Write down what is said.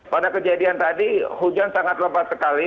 pada kejadian tadi hujan sangat lebat sekali